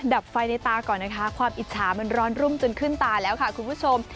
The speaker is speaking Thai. ดับไฟในตาก่อนนะคะความอิจฉามันร้อนรุ่มจนขึ้นตาแล้วค่ะคุณผู้ชม